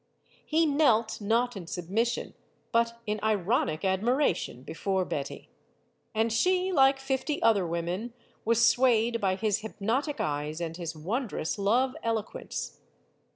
He knelt, not in submission, but in ironic admiration before Betty. And she, like fifty other women, was swayed by his hypnotic eyes and his wondrous love eloquence.